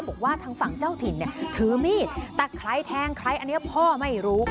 บอกว่าทางฝั่งเจ้าถิ่นเนี่ยถือมีดแต่ใครแทงใครอันนี้พ่อไม่รู้